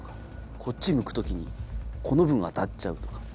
こっち向く時にこの分当たっちゃうとか。